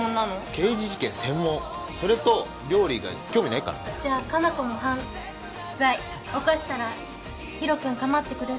刑事事件専門それと料理以外興味ないからね加奈子も犯罪犯したらヒロ君かまってくれる？